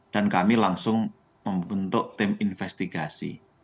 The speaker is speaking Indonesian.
dan kami langsung membentuk tim investigasi